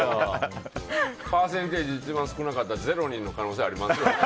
パーセンテージ、一番少なかった０人の可能性ありますよ。